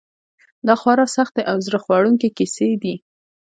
دا خورا سختې او زړه خوړونکې کیسې دي.